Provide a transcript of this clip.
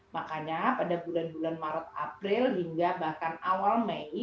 makanya pada bulan bulan maret april hingga bahkan awal mei